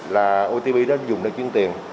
là otp đã dùng để chuyên tiền